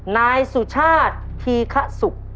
นายสุชาติธีขสุก